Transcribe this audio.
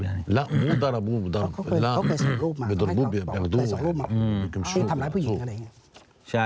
มีใครต้องจ่ายค่าคุมครองกันทุกเดือนไหม